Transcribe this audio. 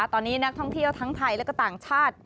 ตอนนี้นักท่องเที่ยวทั้งไทยและก็ต่างชาติ